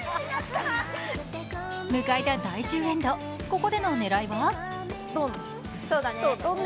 迎えた第１０エンド、ここでの狙いは？